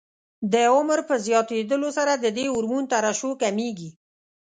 د عمر په زیاتېدلو سره د دې هورمون ترشح کمېږي.